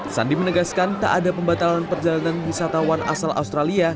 sandi menegaskan tak ada pembatalan perjalanan wisatawan asal australia